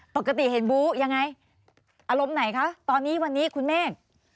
ปกติเห็นบู๊ยังไงอารมณ์ไหนคะตอนนี้วันนี้คุณเมฆ